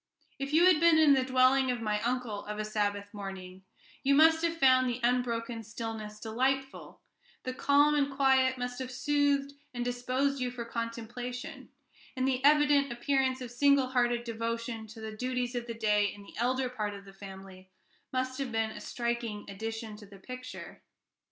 If you had been in the dwelling of my uncle of a Sabbath morning, you must have found the unbroken stillness delightful; the calm and quiet must have soothed and disposed you for contemplation, and the evident appearance of single hearted devotion to the duties of the day in the elder part of the family must have been a striking addition to the picture.